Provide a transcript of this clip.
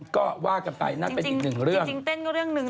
งั้นจริงเต้นก็เรื่องหนึ่ง